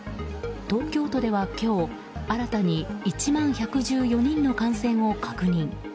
東京都では今日、新たに１万１１４人の感染を確認。